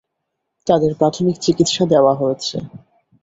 তাঁদের প্রাথমিক চিকিৎসা দেওয়া হয়েছে।